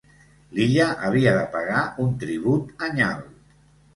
L'illa havia de pagar un tribut anyal.